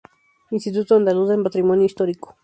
Instituto Andaluz del Patrimonio Histórico.